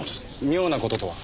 妙な事とは？